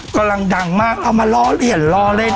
ก๊อลังดังมากเอามาเลี่ยนรอเล่น